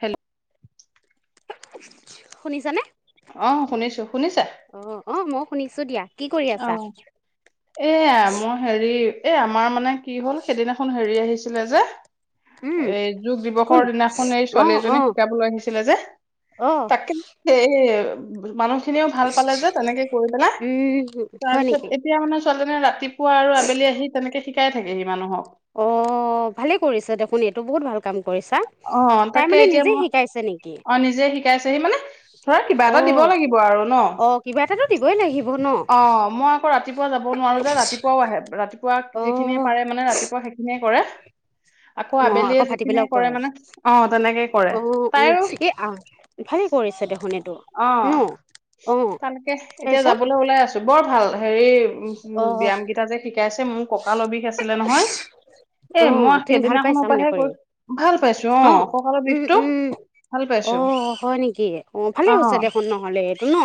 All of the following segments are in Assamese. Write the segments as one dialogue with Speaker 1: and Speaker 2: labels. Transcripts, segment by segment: Speaker 1: হেল্ল'।
Speaker 2: শুনিছানে?
Speaker 1: অ' শুনিছোঁ। শুনিছে?
Speaker 2: অ', অ' মই শুনিছোঁ দিয়া। কি কৰি আছা?
Speaker 1: অ'। এইয়া মই হেৰি, এই আমাৰ মানে কি হ'ল, সেইদিনাখন হেৰি আহিছিলে যে
Speaker 2: উম,
Speaker 1: এই যোগ
Speaker 2: কোন?
Speaker 1: দিৱসৰ দিনাখন, এই ছোৱালী
Speaker 2: অ',
Speaker 1: এজনীয়ে
Speaker 2: অ',
Speaker 1: শিকাবলৈ আহিছিলে যে
Speaker 2: অ'।
Speaker 1: সেইহে মানুহখিনিও ভাল পালে যে, তেনেকে কৰি পেলাই।
Speaker 2: উম, উম, উ।
Speaker 1: তাৰ পিছত এতিয়া মানে ছোৱালীজনীয়ে ৰাতিপুৱা আৰু আবেলি আহি তেনেকে শিকাই থাকে হি মানুহক।
Speaker 2: অ' ভালে কৰিছে দেখোন, এইটো বহুত ভাল কাম কৰিছা।
Speaker 1: অ
Speaker 2: তাই
Speaker 1: তাকে
Speaker 2: মানে
Speaker 1: এতিয়া
Speaker 2: নিজেই
Speaker 1: মই
Speaker 2: শিকাইছে নেকি?
Speaker 1: অ নিজে শিকাইছেহি মানে ধৰা কিবা এটা দিব
Speaker 2: অ',
Speaker 1: লাগিব আৰু ন
Speaker 2: অ' কিবা এটাতো দিবই লাগিব ন'।
Speaker 1: অ মই আকৌ ৰাতিপুৱা যাব নোৱাৰো যে ৰাতিপুৱাও আহে, ৰাতিপুৱা যিখিনিয়ে
Speaker 2: অ',
Speaker 1: পাৰে মানে ৰাতিপুৱা সেইখিনি কোনে কৰে? আকৌ আবেলিয়ে যিখিনি
Speaker 2: কৰে, অ'
Speaker 1: তাইৰো
Speaker 2: বোৰ এই আহ, ভালে কৰিছে দেখোন এইটো। ন?
Speaker 1: অ'
Speaker 2: অ',
Speaker 1: তাকে এতিয়া
Speaker 2: তাৰপিছত
Speaker 1: যাবলৈ ওলাই আছোঁ। বৰ ভাল হেৰি উম,
Speaker 2: অ',
Speaker 1: ব্যায়ামকেইটা যে শিকাইছে মোৰ ককালৰ বিষ আছিলে নহয়। এই
Speaker 2: অ',
Speaker 1: মই
Speaker 2: তুমি ভাল
Speaker 1: সেইদিনাখনৰ
Speaker 2: পাইছা মানে
Speaker 1: পৰাহে
Speaker 2: কৰি?
Speaker 1: গৈ
Speaker 2: অ', উম, উম।
Speaker 1: ভাল পাইছো
Speaker 2: অ' হয় নেকি? অ' ভালেই হৈছে দেখোন নহ'লে এইটো ন'।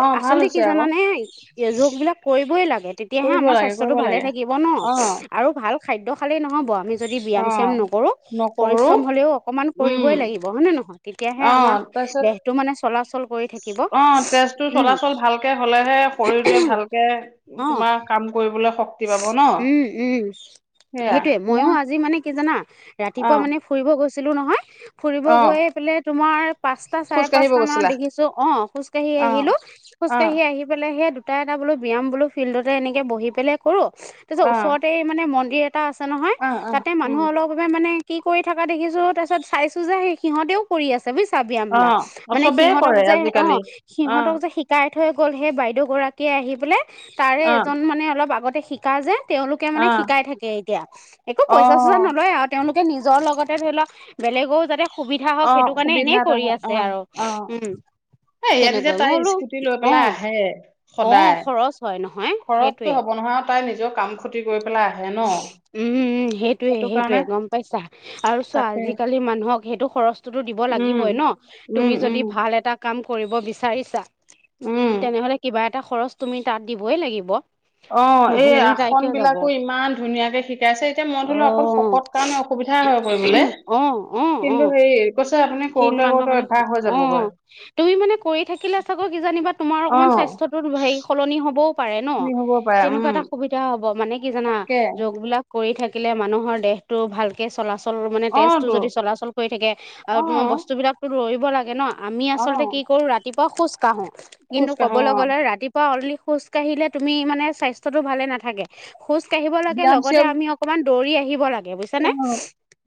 Speaker 1: অ ভাল
Speaker 2: আচলতে কি
Speaker 1: হৈছে আকৌ
Speaker 2: জানানে যোগবিলাক কৰিবই লাগে তেতিয়াহে
Speaker 1: কৰিব
Speaker 2: আমাৰ
Speaker 1: লাগে
Speaker 2: স্বাস্থ্যটো
Speaker 1: কৰিব
Speaker 2: ভালে
Speaker 1: লাগে
Speaker 2: থাক ন'
Speaker 1: অ
Speaker 2: আৰু ভাল খাদ্য খালেই নহ'ব আমি যদি ব্যায়াম
Speaker 1: অ
Speaker 2: চয়াম নকৰোঁ
Speaker 1: নকৰো
Speaker 2: পৰিশ্ৰম হ'লেও অকমান
Speaker 1: উম
Speaker 2: কৰিবই লাগিব হয় নে নহয়? তেতিয়াহে
Speaker 1: অ
Speaker 2: আমাৰ
Speaker 1: তাৰপিছত
Speaker 2: দেহটো মানে চলাচল কৰি থাকিব।
Speaker 1: অ তেজটো
Speaker 2: উম।
Speaker 1: চলাচল ভালকে হলেহে শৰীৰটোৱে ভালকে
Speaker 2: অ
Speaker 1: তোমাৰ কাম কৰিবলৈ শ
Speaker 2: উম, উম,
Speaker 1: সেয়া
Speaker 2: সেইটোৱে, মইয়ো
Speaker 1: মই
Speaker 2: আজি মানে কি জানা
Speaker 1: অ
Speaker 2: ৰাতিপুৱা মানে ফুৰিব গৈছিলোঁ নহয় ফুৰিব
Speaker 1: অ
Speaker 2: গৈ ফালে তোমাৰ পাচ পাঁচটা
Speaker 1: খোজ
Speaker 2: চাৰে
Speaker 1: কাঢ়িব
Speaker 2: পাঁচটা মানত
Speaker 1: গৈছিলা
Speaker 2: দেখিছোঁ অ' খোজ কাঢ়ি
Speaker 1: অ
Speaker 2: আহিলো,
Speaker 1: অ
Speaker 2: খোজকাঢ়ি আহি বোলে‌ হেই দুটা এটা বোলো ব্যায়াম বোলো ফিল্ডতে এনেকে বহি পেলাই কৰোঁ তাৰ পিছত
Speaker 1: অ
Speaker 2: ওচৰতে এ মানে মন্দিৰ এটা আছে নহয়
Speaker 1: অ অ
Speaker 2: তাতে
Speaker 1: উম
Speaker 2: মানুহ অলপ চবেই মানে কি কৰি থকা দেখিছোঁ, তাৰ পিছত চাইছোঁ যে সেই সিহঁতেও কৰি আছ চবি‌ চাবি
Speaker 1: অ
Speaker 2: ব্যায়ামবিলাক
Speaker 1: অ
Speaker 2: মানে
Speaker 1: চবেই
Speaker 2: সিহঁতক
Speaker 1: কৰে
Speaker 2: যে,
Speaker 1: আজিকালি
Speaker 2: অ'
Speaker 1: অ
Speaker 2: সিহঁতক যে শিক শিকাই থৈ গ'ল সেই বাইদেউ গৰাকীয়ে আহি পেলাই, তাৰে
Speaker 1: অ
Speaker 2: এজন মানে অলপ আগতে শিকা যে তেওঁলোকে
Speaker 1: অ
Speaker 2: মানে শিকাই থাকে এতিয়া। একো
Speaker 1: অ
Speaker 2: পইচা চইচা নলয় আৰু। তেওঁলোকে নিজৰ লগতে ধৰি লওঁক বেলেগও যাতে সুবিধা হওক সেইটো
Speaker 1: অ'
Speaker 2: কাৰণে
Speaker 1: সুবিধা
Speaker 2: এনেই
Speaker 1: এটা
Speaker 2: কৰি
Speaker 1: হয়
Speaker 2: আছে
Speaker 1: অ'
Speaker 2: আৰু
Speaker 1: অ'।
Speaker 2: উম
Speaker 1: এই ইয়াত এতিয়া
Speaker 2: তেনেকৈ মই
Speaker 1: তাই
Speaker 2: বোলো
Speaker 1: স্কুটি লৈ
Speaker 2: অ
Speaker 1: পেলাই আহে
Speaker 2: অ
Speaker 1: সদায়।
Speaker 2: খৰচ হয়, নহয়।
Speaker 1: খৰছো
Speaker 2: সেইটোৱে
Speaker 1: হ'ব নহয়, তাই নিজেও কাম ক্ষতি কৰি পেলাই আহে ন।
Speaker 2: উম, উম, সেইটোৱে
Speaker 1: সেইটো কাৰণে
Speaker 2: সেইটোৱে গম পাইছা আৰু চোৱা
Speaker 1: তাকে
Speaker 2: আজিকালি মানুহক সেইটো খৰচ। টোতো দিব
Speaker 1: উম
Speaker 2: লাগিবই ন,
Speaker 1: উম
Speaker 2: তুমি
Speaker 1: উম
Speaker 2: যদি ভাল এটা, কাম কৰিব বিচাৰিছা।
Speaker 1: উম
Speaker 2: তেনেহলে কিবা এটা খৰচ তুমি তাত দিবই লাগিব।
Speaker 1: অ'এইয়া
Speaker 2: নহলেনো
Speaker 1: ৰাসত
Speaker 2: তাই
Speaker 1: ব্যায়াম
Speaker 2: কিয় যাব
Speaker 1: বিলাকো ইমান ধুনীয়াকে শিকাইছে। এতিয়া মই
Speaker 2: অ
Speaker 1: ধৰিল অকন শকত কাৰণে অসুবিধা হয় কৰিবলৈ। কিন্তু, হেৰি কৈছে আপুনি
Speaker 2: ক্ষীণ
Speaker 1: কৰোতে
Speaker 2: মানুহৰ
Speaker 1: কৰোতে
Speaker 2: কাৰণে
Speaker 1: অভ্যাস হৈ
Speaker 2: সু
Speaker 1: যাবগৈ
Speaker 2: অ' তুমি মানে কৰি থাকিলে চাগৈ, কি জানিবা তোমাৰ
Speaker 1: অ
Speaker 2: অকমান স্বাস্থ্যটো হেৰি সলনি হ'বও পাৰে। ন,
Speaker 1: খিনি হব পাৰে
Speaker 2: তেনেকুৱা
Speaker 1: উম
Speaker 2: এটা ‌সুবি। ধাও হ'ব মানে, কি জানা
Speaker 1: তাকে
Speaker 2: যোগ বিলাক কৰি থাকিলে মানুহৰ দেহটো ভালকে চলাচল, চল মানে
Speaker 1: অ
Speaker 2: তেজটো
Speaker 1: তো
Speaker 2: যদি চলাচল কৰি থাকে আৰু
Speaker 1: অ
Speaker 2: তোমাৰ বস্তু বিলাকতো লৰিব লাগে ন। আমি
Speaker 1: অ
Speaker 2: আচলতে কি কৰোঁ ৰাতিপুৱা খোজ কাঢ়ো।
Speaker 1: খোজ
Speaker 2: কিন্তু
Speaker 1: কাঢ়ো
Speaker 2: ক'বলৈ
Speaker 1: অ
Speaker 2: গ'লে ৰাতি পুৱা অনলি খোজ কাঢ়িলে তুমি মানে স্বাস্থ্যটো ভালে নাথাকে। খোজ কাঢ়িব লাগে
Speaker 1: ব্যায়াম
Speaker 2: লগতে
Speaker 1: চিয়াম
Speaker 2: আমি অকমান দৌৰি আহিব লাগে
Speaker 1: অ
Speaker 2: বুজিছানে?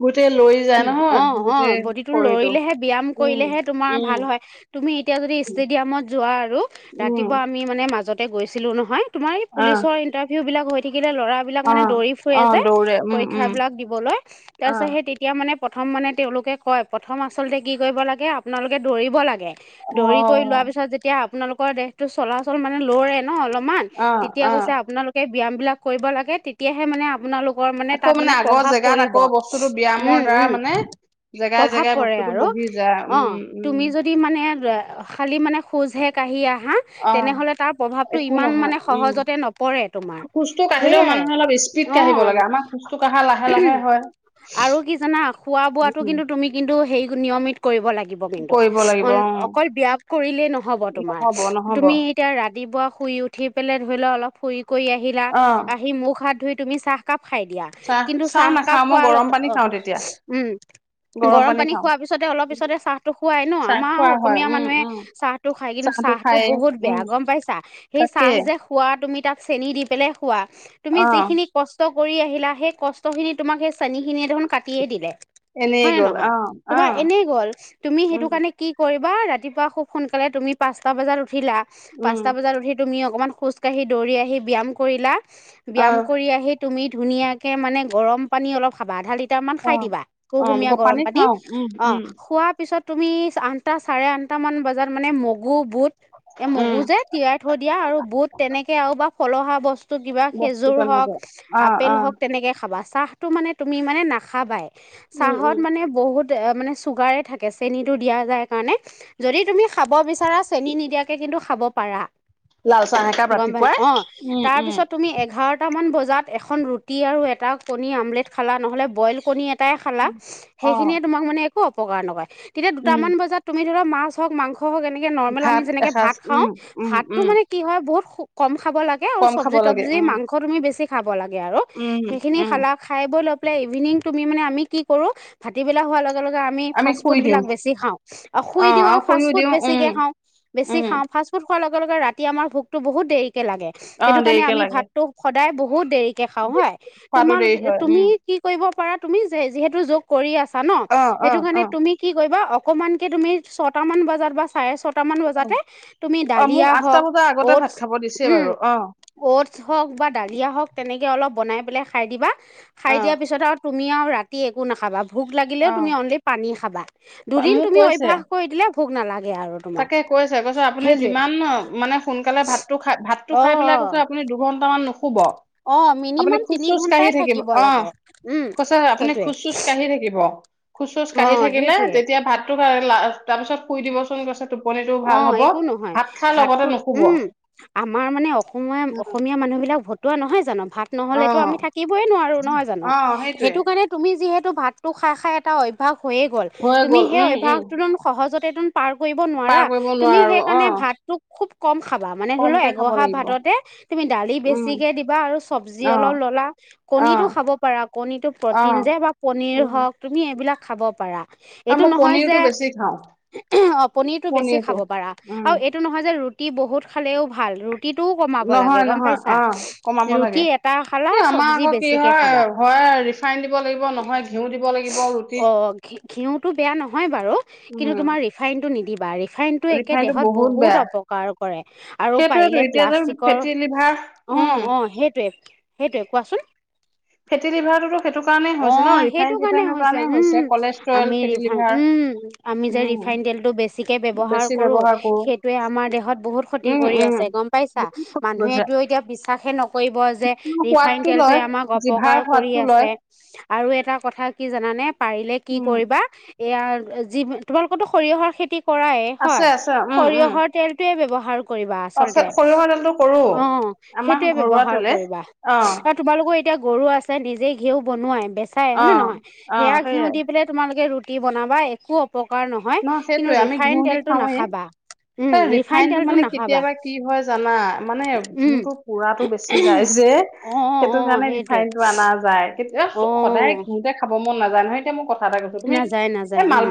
Speaker 1: গোটেই লৰি যায় নহয়
Speaker 2: অ, অ
Speaker 1: গোটেই
Speaker 2: বডিত টো
Speaker 1: শৰীৰটো
Speaker 2: লৰিলেহে, ব্যায়াম
Speaker 1: উম
Speaker 2: কৰিলেহে তোমাৰ
Speaker 1: উম
Speaker 2: ভাল হয়। তুমি এতিয়া যদি ষ্টেডিয়ামত যোৱা আৰু
Speaker 1: উম
Speaker 2: ৰাতিপুৱা আমি মানে মাজতে গৈছিলো নহয়। তোমাৰ এই
Speaker 1: আহ
Speaker 2: পুলিচৰ ইন্টাৰভিউ বিলাক হৈ থাকিলে ল'ৰা বিলাক মানে
Speaker 1: আহ
Speaker 2: দৌৰি ফুৰে
Speaker 1: আহ
Speaker 2: যে
Speaker 1: দৌৰে উম
Speaker 2: পৰীক্ষা
Speaker 1: উম
Speaker 2: বিলাক দিবলৈ। তাৰছত
Speaker 1: আহ
Speaker 2: সেই তেতিয়া মানে প্ৰথম মানে তেওঁলোকে কয় প্ৰথম আচলতে কি কৰিব লাগে, আপোনালোকে দৌৰিব লাগে।
Speaker 1: অ
Speaker 2: দৌৰি কৰি লোৱা পিছত, যেতিয়া আপোনালোকৰ দেহটো চলাচল মানে লৰে ন, অলপ মান,
Speaker 1: আহ
Speaker 2: তেতিয়া
Speaker 1: আহ
Speaker 2: কৈছে, আপোনালোকে ব্যায়াম বিলাক কৰিব লাগে। তেতিয়াহে মানে আপোনালোক কৰ মানে
Speaker 1: আকৌ
Speaker 2: তাত মানে
Speaker 1: আগৰ
Speaker 2: প্ৰভাৱ
Speaker 1: জেগাত
Speaker 2: পৰিব।
Speaker 1: আকৌ বস্তুটো ব্যায়ামৰ
Speaker 2: উম।
Speaker 1: দ্বাৰা মানে
Speaker 2: উম
Speaker 1: জেগাই
Speaker 2: প্ৰভাৱ
Speaker 1: জেগাই
Speaker 2: পৰে
Speaker 1: বস্তুটো
Speaker 2: আৰু।
Speaker 1: বহি যায়
Speaker 2: অ
Speaker 1: উম উম
Speaker 2: তুমি যদ দি মানে, খালি মানে, খোজহে কাঢ়ি আহা
Speaker 1: আহ
Speaker 2: তেনেহলে তাৰ প্ৰভাৱটো
Speaker 1: একো
Speaker 2: ইমান
Speaker 1: নহয়
Speaker 2: মানে
Speaker 1: উম
Speaker 2: সহজতে নপৰে তোমাৰ।
Speaker 1: খোজটো কাঢ়িলেও
Speaker 2: সেইয়াই
Speaker 1: মানুহে অলপ স্পীড কাঢ়িব
Speaker 2: অ',
Speaker 1: লাগে আমাৰ খোজটো কাঢ়া লাহে লাহে হয়
Speaker 2: আৰু কি জানা খোৱা বোৱাটো
Speaker 1: উম
Speaker 2: কিন্তু তুমি কিন্তু হেই নিয়মিত কৰিব লাগিব।
Speaker 1: কৰিব লাগিব অ
Speaker 2: [unintelligible] অকল ব্যয়াম কৰিলে নহ'ব তোমাৰ।
Speaker 1: নহব নহব
Speaker 2: তুমি এতিয়া ৰাতিপুৱা শুই উঠি পেলাই ধৰি লোৱা অলপ ফুৰি কৰি আহিলা।
Speaker 1: অ
Speaker 2: আহি মুখ হাত ধুই তুমি চাহ কাপ খাই দিয়া।
Speaker 1: চাহ
Speaker 2: কিন্তু
Speaker 1: চাহ
Speaker 2: চাহকাপ
Speaker 1: নাখাও মই
Speaker 2: খোৱাৰ লগ
Speaker 1: গৰম পানী
Speaker 2: অ
Speaker 1: খাওঁ তেতিয়া
Speaker 2: উম গৰম পানী খোৱাৰ পিছতে অলপ পিছতে চাহটো খুৱাই ন,
Speaker 1: চাহ
Speaker 2: আমাৰ
Speaker 1: খোৱা
Speaker 2: আৰু
Speaker 1: হয়
Speaker 2: অসমীয়া
Speaker 1: উম উম
Speaker 2: মানুহে চাহ টো খায় কিন্তু চাহটো
Speaker 1: খায়েই
Speaker 2: বহুত
Speaker 1: উম
Speaker 2: বেয়া গম পাইছা। সেই
Speaker 1: তাকে
Speaker 2: চাহ যে খোৱা তুমি তাক চেনি দি পেলাই খোৱা।
Speaker 1: অ
Speaker 2: তুমি যিখিনি কষ্ট কৰি আহিলা। সেই কষ্ট খিনি তোমাক সেই চেনী খিনিৱে দেখোন কাটিয়ে দিলে।
Speaker 1: এনেই
Speaker 2: হয় নে
Speaker 1: গ'ল অ
Speaker 2: নহয়?
Speaker 1: অ
Speaker 2: তোমাৰ এনেই গ'ল। তুমি
Speaker 1: উম
Speaker 2: সেইটো কাৰণে কি কৰিবা? ৰাতিপুৱা খুব সোনকালে তুমি পাঁচটা বজাত উঠিলা
Speaker 1: উম
Speaker 2: পাঁচটা বজাত উঠি তুমি অকনমান খোজ কাঢ়ি, দৌৰি আহি, ব্যয়াম কৰিলা।
Speaker 1: অ
Speaker 2: ব্যয়াম কৰি আহি তুমি ধুনীয়াকৈ মানে গৰম পানী অলপ খাবা। আধা লিটাৰমান খাই
Speaker 1: অ',
Speaker 2: দিবা।
Speaker 1: অ', গ
Speaker 2: কুহুমীয়া গৰম পানী।
Speaker 1: খাওঁ, উম,
Speaker 2: অ
Speaker 1: উম,
Speaker 2: খোৱাৰ পিছত তুমি আঠটা চাৰে আঠটামান বজাত মানে মগু, বুট এ
Speaker 1: উম,
Speaker 2: মগু যে তিয়াই থৈ দিয়া। আৰু বুট তেনেকে আৰু বা ফলহা বস্তু কিবা
Speaker 1: বস্তু
Speaker 2: খেজুৰ হওক,
Speaker 1: তেনেকে, অ',
Speaker 2: আপেল
Speaker 1: অ',
Speaker 2: হওঁক, তেনেকে খাবা, চাহটো মানে তুমি মানে নাখাবায়,
Speaker 1: উম,
Speaker 2: চাহত
Speaker 1: উম,
Speaker 2: মানে বহুত তে, মানে চুগাৰে থাকে, চেনটো দিয়া যায় কাৰণে। যদি তুমি খাব বিচাৰা, চেনি নিদিয়াকে কিন্তু খাব পাৰা।
Speaker 1: লাল চাহ একাপ
Speaker 2: গম পাই?
Speaker 1: ৰাতিপুৱাই
Speaker 2: অ',
Speaker 1: উম, উম,
Speaker 2: তাৰপিছত তুমি, এঘাৰটা মান বজাত এখন ৰুটি আৰু এটা কণী, আমলেট খালা। নহ'লে বইল কণী এটাই খালা,
Speaker 1: অ',
Speaker 2: সেইখিনিয়ে তোমাক মানে, একো অপকাৰ নকৰে, তেতিয়া
Speaker 1: উম,
Speaker 2: দুটামান বজাত তুমি ধৰা, মাছ হওঁক, মাংস হওঁক, এনেকে নৰ্মেল আমি
Speaker 1: ভাত
Speaker 2: যেনেকে
Speaker 1: এসাঁজ,
Speaker 2: ভাত খাওঁ,
Speaker 1: উম, উম,
Speaker 2: ভাতটো
Speaker 1: উম,
Speaker 2: মানে কি হয়, বহুত কম খাব লাগে, আৰু
Speaker 1: কম খাব লাগে,
Speaker 2: চব্জি-তবজি,
Speaker 1: উম,
Speaker 2: মাংস তুমি বেছি খাব লাগে আৰু,
Speaker 1: উম,
Speaker 2: সেইখিনি
Speaker 1: উম,
Speaker 2: খালা খাই-বই লৈ পেলাই, ইভনিং তুমি মানে, আমি কি কৰোঁ, ভাতি বেলা হোৱা লগে, লগে আমি
Speaker 1: শুই দিওঁ,
Speaker 2: ফাষ্ট-ফুডবিলাক বেছি খাওঁ, আৰু শুই
Speaker 1: অ',
Speaker 2: দিওঁ আৰু,
Speaker 1: শুইও
Speaker 2: ফাষ্ট-ফুড
Speaker 1: দিওঁ, উম,
Speaker 2: বেছিকে খাওঁ, বেছি
Speaker 1: উম,
Speaker 2: খাওঁ, ফাষ্ট ফাষ্ট-ফুড খোৱাৰ লগে, লগে ৰাতি আমাৰ ভোকতো বহুত দেৰিকে লাগে।
Speaker 1: অ',
Speaker 2: সেইটোকাৰণে,
Speaker 1: দেৰিকে
Speaker 2: আমি
Speaker 1: লাগে,
Speaker 2: ভাতটো সদায় বহুত দেৰি দেৰিকে খাওঁ হয়,
Speaker 1: খোৱাতো দেৰি
Speaker 2: তোমালোকে,
Speaker 1: হয়,
Speaker 2: তুমি
Speaker 1: উম,
Speaker 2: কি কৰিব পাৰা, তুমি যে যিহেতু কৰি আছা ন,
Speaker 1: অ', অ',
Speaker 2: সেইটোকাৰণে,
Speaker 1: অ',
Speaker 2: তুমি কি কৰিবা, অকমানকে তুমি, ছয়টা মান বজাত বা চাৰে ছয় ছয়টামান বজাতে, তুমি
Speaker 1: অ',
Speaker 2: দালিয়া
Speaker 1: মোক আঠটা
Speaker 2: হওঁক,
Speaker 1: বজাৰ আগতে
Speaker 2: অটছ,
Speaker 1: ভাত খাব দিছে
Speaker 2: উম।
Speaker 1: বাৰু, অ',
Speaker 2: অটছ হওঁক বা দালিয়া হওঁক, তেনেকে অলপ বনাই পেলাই খাই দিবা। খাই
Speaker 1: অ',
Speaker 2: দিয়াৰ পিছত আৰু তুমি আৰু ৰাতি, একো নাখাবা। ভোক লাগিলেও তুমি,
Speaker 1: অ',
Speaker 2: অনলি পানী খাবা। দুদিন
Speaker 1: মোক
Speaker 2: তুমি
Speaker 1: কৈছে,
Speaker 2: অভ্যাস কৰি দিলে, ভোগ নালাগে আৰু। তোমাৰ
Speaker 1: তাকে কৈছে, কৈছে। আপুনি
Speaker 2: সেইটোৱে
Speaker 1: যিমান মানে, সোনকালে ভাতটো খাই, ভাতটো
Speaker 2: অ
Speaker 1: খাই পেলাই কৈছে, আপুনি দুঘন্ট মান নু নুশুব,
Speaker 2: অ
Speaker 1: আপুনি
Speaker 2: মিনিমাম তিনি
Speaker 1: খোজ-চোজ কাঢ়ি
Speaker 2: ঘন্টাই
Speaker 1: থাকিব, অ',
Speaker 2: লাগে উম
Speaker 1: কৈছে আপুনি
Speaker 2: সেইটোৱে
Speaker 1: খোজ-চোজ কাঢ়ি থাকিব, খোজ-চোজ
Speaker 2: অ
Speaker 1: কাঢ়ি থাকিলে,
Speaker 2: সেইটোৱে
Speaker 1: তেতিয়া ভাতটো লা তাৰপিছত শুই দিব। চুন কৈছে। টোপনিটো ভাল
Speaker 2: অ',
Speaker 1: হ'ব
Speaker 2: একো নহয়,
Speaker 1: ভাত খাই লগতে
Speaker 2: ভাতটো
Speaker 1: নুশুব
Speaker 2: উম। আমাৰ মানে, অসমীয়া, অসমীয়া মানুহবিলাক ভ ভতুৱা নহয় জানোঁ, ভাত
Speaker 1: অ
Speaker 2: নহ'লেতো আমি থাকিবই নোৱাৰো। নহয় জানোঁ,
Speaker 1: অ সেইটোৱে
Speaker 2: সেইটোকাৰণে তুমি যিহেতু, ভাতটো খাই, খাই এটা অভ্যাস হৈয়ে গ'ল।
Speaker 1: হৈ
Speaker 2: তুমি,
Speaker 1: গ'ল
Speaker 2: সেই
Speaker 1: উম উম
Speaker 2: অভ্যাসটোটোন, সহজতেটোন পাৰ কৰিব
Speaker 1: পাৰ
Speaker 2: নোৱাৰা,
Speaker 1: কৰিব
Speaker 2: তুমি
Speaker 1: নোৱাৰো অ
Speaker 2: সেইকাৰণে, ভাতটোক খুব কম খাবা। মানে ধৰি লও,
Speaker 1: কমকে খাব
Speaker 2: এঘহা
Speaker 1: লাগিব
Speaker 2: ভাতটে তুমি দালি
Speaker 1: উম
Speaker 2: বেছিকে দিবা, আৰু চব্জি
Speaker 1: অ
Speaker 2: অলপ ল'লা।
Speaker 1: অ
Speaker 2: কণীটো খাব পাৰা, কণীটো
Speaker 1: অ
Speaker 2: প্ৰটিন যে বা পনীৰ
Speaker 1: উম
Speaker 2: হওঁক, তুমি এইবিলাক খাব পাৰা।
Speaker 1: আৰু
Speaker 2: এইটো
Speaker 1: মই
Speaker 2: নহয়
Speaker 1: পনিৰটো
Speaker 2: যে,
Speaker 1: বেছি খাওঁ
Speaker 2: অ', পনিৰটো বেছি খাব পাৰা,
Speaker 1: উম
Speaker 2: আৰু এইটো নহয় যে, ৰুটি বহুত খালেও ভাল, ৰু ৰুটিটোও কমাব লাগে,
Speaker 1: নহয়
Speaker 2: গম
Speaker 1: নহয়
Speaker 2: পাইছা।
Speaker 1: অ কমাব
Speaker 2: ৰুটি
Speaker 1: লাগে
Speaker 2: এটা খালা,
Speaker 1: এই আমাৰ
Speaker 2: চবজি
Speaker 1: আকৌ কি
Speaker 2: বেছিকে
Speaker 1: হয়
Speaker 2: খাবা।
Speaker 1: হয় ৰিফাইন দিব লাগিব নহয় ঘিউ দিব লাগিব ৰুটিত
Speaker 2: অ', ঘি ঘিউটো বেয়া নহয় বাৰু,
Speaker 1: উম
Speaker 2: কিন্তু তোমাৰ ৰিফাইনটো নিদিবা, ৰি ৰিফাইনটো একে দেহত বহুত অপকাৰ কৰে, আৰু
Speaker 1: সেইটোয়েতো
Speaker 2: পাৰিলে
Speaker 1: এতিয়া যে
Speaker 2: প্লাষ্টিকৰ
Speaker 1: ফেটি লিভাৰ উম
Speaker 2: অ', অ', সেইটোৱে, সেইটোৱে, কোৱাচোন।
Speaker 1: ফেটি লিভাৰটোতো সেইটো কাৰণেই হৈছে ন
Speaker 2: অ',
Speaker 1: ৰিফাইন
Speaker 2: সেইটোকাৰণে
Speaker 1: চিফাইনৰ
Speaker 2: হৈছে,
Speaker 1: কাৰণেই
Speaker 2: উম,
Speaker 1: কলেষ্ট্ৰৰেল
Speaker 2: আমি
Speaker 1: ফেটি
Speaker 2: ৰিফাইন
Speaker 1: লিভাৰ
Speaker 2: উম। আমি যে,
Speaker 1: উম
Speaker 2: ৰিফাইন তেলটো বেছিকে ব্যৱহাৰ
Speaker 1: বেছি
Speaker 2: কৰোঁ,
Speaker 1: ব্যৱহাৰ কৰো
Speaker 2: সেইটোৱে আমাৰ দেহত বহুত ক্ষতি
Speaker 1: উম
Speaker 2: কৰি
Speaker 1: উম
Speaker 2: আছে গম পাইছা,
Speaker 1: বহুত কমি গৈছে
Speaker 2: মানুহেটো এতিয়া বিশ্বাসেই নকৰিব যে, ৰিফাইন
Speaker 1: সোৱাদটো
Speaker 2: তেলটোৱে
Speaker 1: লয়
Speaker 2: আমাক
Speaker 1: জিভাৰ
Speaker 2: অপকাৰ কৰি
Speaker 1: সোৱাদটো লয়
Speaker 2: আছে। আৰু এটা কথা কি, জানানে, পাৰিলে কি
Speaker 1: উম
Speaker 2: কৰিবা। এয়া যি, তোমালোকতো সৰিয়হৰ খেতি কৰায়
Speaker 1: আছে
Speaker 2: হয়,
Speaker 1: আছে উম উম
Speaker 2: সৰিয়হৰ তেল টোয়ে ব্যৱহাৰ কৰিবা
Speaker 1: অ
Speaker 2: আচলতে,
Speaker 1: সৰিয়হৰ তেলটো কৰো
Speaker 2: অ',
Speaker 1: আমাৰ
Speaker 2: সেইটোৱে
Speaker 1: ঘৰুৱা
Speaker 2: ব্যৱহাৰ
Speaker 1: তেলে
Speaker 2: কৰিবা।
Speaker 1: অ
Speaker 2: তোমালোকৰ এতিয়া গৰু আছে নিজেই ঘিঁউ বনোৱাই, বেচাই হয়
Speaker 1: অ
Speaker 2: নে নহয়?
Speaker 1: অ
Speaker 2: সেয়া ঘিউ
Speaker 1: সেইয়াই
Speaker 2: দি পেলাই তোমালোকে ৰুটি বনাবা একো অপকাৰ নহয় কিন্তু
Speaker 1: সেইটোয়ে আমি
Speaker 2: ৰিফাইন
Speaker 1: ঘিউ দি
Speaker 2: তেলটো
Speaker 1: খাওঁৱেই
Speaker 2: নাখাবা। উম
Speaker 1: তাৰ
Speaker 2: ৰিফাইন
Speaker 1: ৰিফাইনটো
Speaker 2: তেলটো
Speaker 1: মানে
Speaker 2: নাখাবা
Speaker 1: কেতিয়াবা কি হয় জানা? মানে,
Speaker 2: উম
Speaker 1: ঘিউটো পোৰাটো বেচি যায় যে।
Speaker 2: অ অ
Speaker 1: সেইটো
Speaker 2: অ
Speaker 1: কাৰণে
Speaker 2: সেইটোৱে
Speaker 1: ৰিফাইনটো অনা যায়। কেতিয়া স
Speaker 2: অ
Speaker 1: সদায় ঘতে খাব মন নাজাই নহয়। এতিয়া মই কথা এটা ক
Speaker 2: নাযায়, নাযায় উম।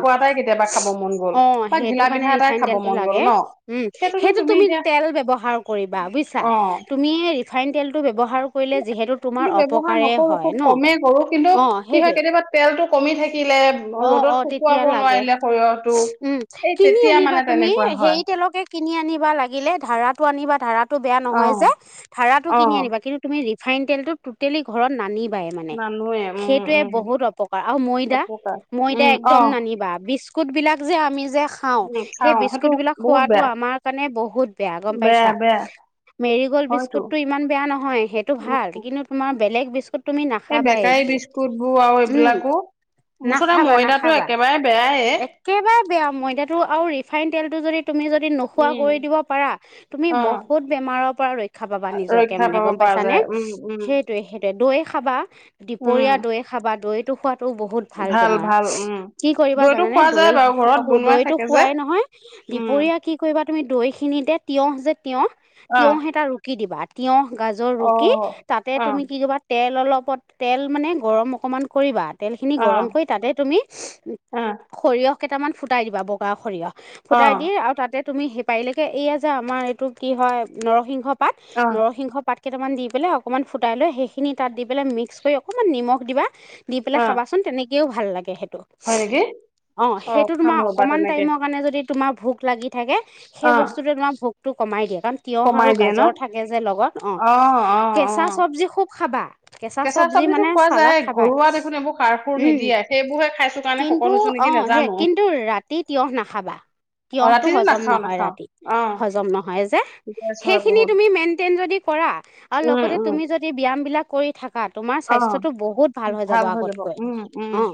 Speaker 1: মন গ'ল
Speaker 2: অঁ,
Speaker 1: বা
Speaker 2: সেইটো
Speaker 1: ঘিলা
Speaker 2: কাৰণে
Speaker 1: পিঠা এটাই
Speaker 2: ৰিফাইন
Speaker 1: খাব
Speaker 2: তেলটো
Speaker 1: মন গ'ল
Speaker 2: লাগে।
Speaker 1: ন
Speaker 2: উম,
Speaker 1: সেইটোতো
Speaker 2: সেইটো তুমি
Speaker 1: এতিয়া
Speaker 2: তেল ব্যৱহাৰ কৰিবা বুজিছা?
Speaker 1: অ
Speaker 2: তুমি ৰিফাইন তেলটো ব্যৱহাৰ কৰিলে যিহেতু তোমাৰ
Speaker 1: কিন্তু ব্যৱহাৰ
Speaker 2: অপকাৰে
Speaker 1: নকৰো
Speaker 2: হয়
Speaker 1: খুব
Speaker 2: ন'?
Speaker 1: কমেই কৰো কিন্তু
Speaker 2: অঁ,
Speaker 1: কি হয়
Speaker 2: সেইটোৱে।
Speaker 1: কেতিয়াবা তেলটো কমি থাকিলে
Speaker 2: অঁ,
Speaker 1: ৰ'দত
Speaker 2: অঁ তেতিয়া
Speaker 1: শুকুৱাব
Speaker 2: লাগে।
Speaker 1: নোৱাৰিলে সৰিয়হটো
Speaker 2: উম,
Speaker 1: এই
Speaker 2: কিনি
Speaker 1: তেতিয়া
Speaker 2: আনিবা
Speaker 1: মানে
Speaker 2: তুমি
Speaker 1: তেনেকুৱা হয়
Speaker 2: হেৰি তেলকে কিনি আনিবা লাগিলে। ধাৰাটো আনিবা, ধাৰাটো বেয়া
Speaker 1: অ
Speaker 2: নহয় যে। ধাৰাটো
Speaker 1: অ
Speaker 2: কিনি আনিবা কিন্ তুমি ৰিফাইন তেলটো টোটেলি ঘৰত নানি বাই মানে,
Speaker 1: নানোৱে উম
Speaker 2: সেইটোৱে
Speaker 1: উম
Speaker 2: বহুত অপকাৰ আৰু ময়দা।
Speaker 1: অপকাৰ
Speaker 2: ময়দা
Speaker 1: উম অ
Speaker 2: একদম নানিবা। বিস্কুট বিলাক যে আমি যে খা খাওঁ।
Speaker 1: উম
Speaker 2: সেই
Speaker 1: খাও সেইটো
Speaker 2: বিস্কুটবিলাক
Speaker 1: বহুত
Speaker 2: খোৱাতো
Speaker 1: বেয়া
Speaker 2: আমাৰ কাৰণে বহুত বেয়া গম
Speaker 1: বেয়া
Speaker 2: পাইছা?
Speaker 1: বেয়া
Speaker 2: মেৰি গ'ল্ড
Speaker 1: হয়তো
Speaker 2: বিস্কুতটো ইমান বেয়া নহয় সেইটো ভাল।
Speaker 1: উম
Speaker 2: কিন্তু তোমাৰ বেলেগ বিস্কুট তুমি
Speaker 1: এই
Speaker 2: নাখাবা
Speaker 1: বেকাৰী
Speaker 2: একো,
Speaker 1: বিস্কুট বোৰ আৰু
Speaker 2: উম।
Speaker 1: এইবিলাকো মুঠতে
Speaker 2: নাখাবা,
Speaker 1: ময়দাটো
Speaker 2: নাখাবা।
Speaker 1: একেবাৰে বেয়ায়ে
Speaker 2: একেবাৰে বেয়া ময়দাটো আৰু ৰিফাইন তেলটো যদি তুমি যদি নোখোৱা
Speaker 1: উম
Speaker 2: কৰি দিব পাৰা। তুমি
Speaker 1: অ
Speaker 2: বহুত বেমাৰৰ পৰা ৰক্ষা পাবা নিজকে
Speaker 1: ৰক্ষা
Speaker 2: মানে
Speaker 1: পাব
Speaker 2: গম
Speaker 1: পৰা
Speaker 2: পাইছানে?
Speaker 1: যায় উম উম
Speaker 2: সেই [unintelligible] দৈ খাবা,
Speaker 1: উম
Speaker 2: দুপৰীয়া দৈ খাবা, দৈটো খোৱাটো বহুত
Speaker 1: ভাল, ভাল উম।
Speaker 2: কি কৰিবা
Speaker 1: দৈটো
Speaker 2: জানানে?
Speaker 1: খোৱা যায়
Speaker 2: দৈ
Speaker 1: বাৰু ঘৰত
Speaker 2: [inaudible]
Speaker 1: বনোৱাই
Speaker 2: দৈটো
Speaker 1: থাকে যে
Speaker 2: খুৱাই নহয়,
Speaker 1: উম
Speaker 2: দুপৰীয়া কি কৰিবা তুমি দৈ খিনিতে, তিঁয়হ যে তিঁয়হ
Speaker 1: অ
Speaker 2: তিঁয়হ এটা ৰু ৰুকি দিবা। তিঁয়হ, গাজৰ
Speaker 1: অ
Speaker 2: ৰুকি তাতে
Speaker 1: অ
Speaker 2: তুমি কি কৰিবা? তেল অলপত, তেল মানে গৰম অকমান কৰিবা। তেলখিনি
Speaker 1: অ
Speaker 2: গৰম কৰি তাতে তুমি
Speaker 1: অ
Speaker 2: সৰিয়হ কেইটামান ফুটাই দিবা। বগা সৰিয়হ
Speaker 1: অ
Speaker 2: ফুটাই দি আৰু তাতে তুমি হে পাৰিলেকে এইয়া যে, আমাৰ এইটো কি হয়? নৰসিংহ পাত,
Speaker 1: অ
Speaker 2: নৰসিংহ পাত কেইটামান দি পেলাই অকমান ফুটাই লৈ, সেইখিনি তাত দি পেলাই মিক্স কৰি অকমান নিমখ দিবা। দি পেলাই
Speaker 1: অ
Speaker 2: খাবা। চোন, তেনেকেও ভাল লাগে সেটো,
Speaker 1: হয় নেকি
Speaker 2: অঁ,
Speaker 1: অ
Speaker 2: সেইটো
Speaker 1: খাম
Speaker 2: তোমাৰ
Speaker 1: ৰবা
Speaker 2: অকমান
Speaker 1: তেনেকে
Speaker 2: টাইমৰ কাৰণে যদি তোমাৰ ভোক লাগি থাকে। সেই
Speaker 1: অ
Speaker 2: বস্তুটোৱে তোমাৰ ভোকটো কমাই দিয়ে। কাৰণ তিঁয়হ
Speaker 1: কমাই
Speaker 2: আৰু
Speaker 1: দিয়ে ন
Speaker 2: গাজৰ থাকে যে লগত। অঁ,
Speaker 1: অ অ অ
Speaker 2: কেঁচা চব্জি খুব খাবা। কেঁচা চব্জি মানে চালাদ খাবাই।
Speaker 1: সেইবোৰ কাৰনে
Speaker 2: উম, কিন্তু
Speaker 1: নেকি
Speaker 2: অঁ, হেই
Speaker 1: নাজানো
Speaker 2: কিন্তু ৰাতি তিঁয়হ নাখাবা।
Speaker 1: অ
Speaker 2: তিঁয়হটো
Speaker 1: ৰাতিটো
Speaker 2: হজম
Speaker 1: নাখাও
Speaker 2: নহয়
Speaker 1: নাখাও
Speaker 2: ৰাতি।
Speaker 1: অ
Speaker 2: হজম নহয় যে,
Speaker 1: গেছ হয়
Speaker 2: সেইখিনি
Speaker 1: বহুত
Speaker 2: তুমি মেইনটেইন যদি কৰা আৰু
Speaker 1: উম
Speaker 2: লগতে
Speaker 1: উম
Speaker 2: তুমি যদি ব্যায়াম বিলাক কৰি থাকা। তোমাৰ
Speaker 1: অ
Speaker 2: স্বাস্থ্যটো বহুত ভাল হৈ যাব আগতকৈ।
Speaker 1: উম,
Speaker 2: অ
Speaker 1: উম।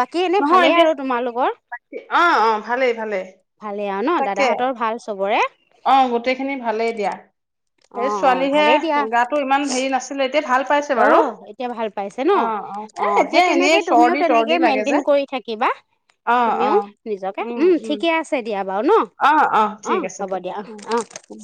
Speaker 2: বাকী এনেই ভালেই আৰু তোমালোকৰ?
Speaker 1: অঁ, অঁ ভালেই, ভালেই।
Speaker 2: ভালেই আৰু ন
Speaker 1: তাকে
Speaker 2: দাদাহঁতৰ ভাল চবৰে
Speaker 1: অঁ, গোটেইখিনি ভালেই দিয়া।
Speaker 2: অ
Speaker 1: এই ছোৱালীহে গাটো ইমান হেৰি নাছিল।
Speaker 2: অ--এতিয়া ভাল পাইছে ন?
Speaker 1: অ অ এ
Speaker 2: অঁ, হেই
Speaker 1: এতিয়া
Speaker 2: তেনেকে
Speaker 1: এনেই
Speaker 2: তুমিও
Speaker 1: চৰ্দি তৰ্দি
Speaker 2: তেনেকেই
Speaker 1: লাগে
Speaker 2: মেইনটেইন
Speaker 1: যে
Speaker 2: কৰি থাক্‌ কিবা
Speaker 1: অ অ
Speaker 2: তুমিও নিজকে। উম, ঠিকে আছে দিয়া বাৰু ন?
Speaker 1: অ অ
Speaker 2: অঁ,
Speaker 1: ঠিক আছে
Speaker 2: হ'ব দিয়া। অঁহ্‌ অঁ।
Speaker 1: উম